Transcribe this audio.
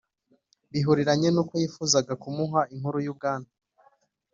Bihuriranye n uko yifuzaga kumuha inkuru y ubwami